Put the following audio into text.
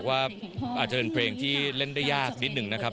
ว่าอาจจะเป็นเพลงที่เล่นได้ยากนิดหนึ่งนะครับ